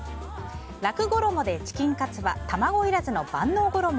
ラク衣でチキンカツは卵いらずの万能衣。